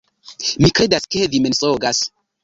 Mi kredas, ke vi mensogas